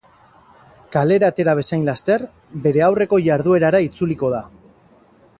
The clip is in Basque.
Kalera atera bezain laster bere aurreko jarduerara itzuliko da.